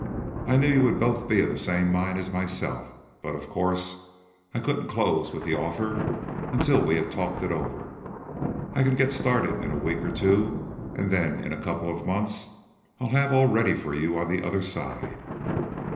"I knew you would both be of the same mind as myself, but of course I couldn't close with the offer until we had talked it over. I can get started in a week or two, and then in a couple of months I'll have all ready for you on the other side."